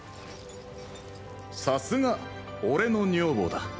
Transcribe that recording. さすが俺の女房だ。